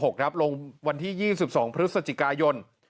๒๕๖๖ครับลงวันที่๒๒พฤศจิกายน